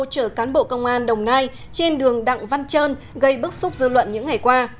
chở cán bộ công an đồng nai trên đường đặng văn trơn gây bức xúc dư luận những ngày qua